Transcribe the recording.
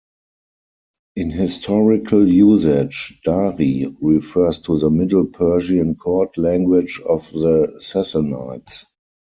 In historical usage, "Dari" refers to the Middle Persian court language of the Sassanids.